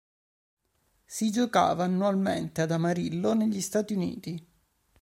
Si giocava annualmente ad Amarillo negli Stati Uniti.